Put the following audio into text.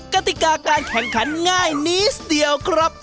กติกาการแข่งขันง่ายนิดเดียวครับ